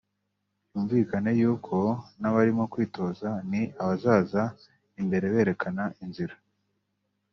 byumvikane y’uko n’abarimo kwitoza ni abazaza imbere berekana inzira